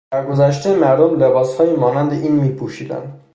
در گذشته مردم لباسهائی مانند این میپوشیدند.